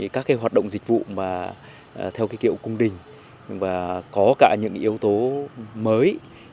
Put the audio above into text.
các hoạt động dịch vụ mà theo kiểu cung đình và có cả những yếu tố mới